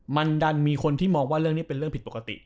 มันดันมีคนที่มองว่าเรื่องนี้เป็นเรื่องผิดปกติ